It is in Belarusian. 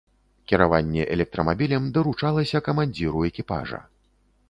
Кіраванне электрамабілем даручалася камандзіру экіпажа.